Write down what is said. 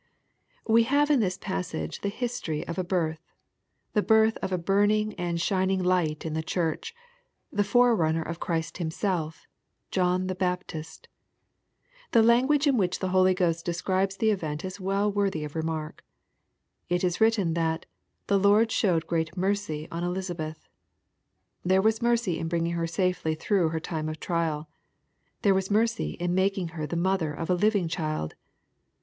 We have in this passage the history of a birth, the birth of a burning and shining light in the Church, the forerunner of Christ Himself, — John the Baptist. The language in which the Holy Ghost describes the event is well worthy of remark. It is written that " The Lord showed great mercy on Elisabeth." There was mercy in bringing her safely through her time of trial. There was mercy in making her the mother of a living child.